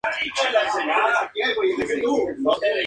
Fue el consultor de diseño para el Grand Hyatt de Nueva York.